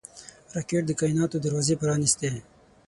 راکټ د کائناتو دروازې پرانېستي